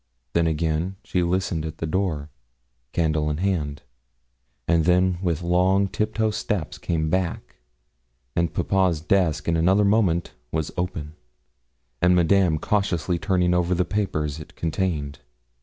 Then, again, she listened at the door, candle in hand, and then with long tiptoe steps came back, and papa's desk in another moment was open, and Madame cautiously turning over the papers it contained.